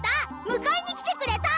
迎えに来てくれた！